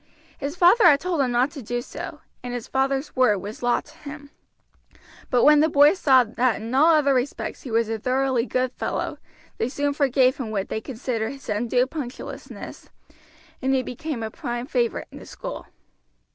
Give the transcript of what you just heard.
His father had told him not to do so, and his father's word was law to him; but when the boys saw that in all other respects he was a thoroughly good fellow, they soon forgave him what they considered his undue punctiliousness, and he became a prime favorite in the school.